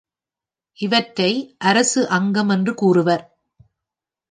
இவற்றை அரசு அங்கம் என்றும் கூறுவர்.